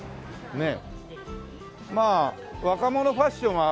ねえ。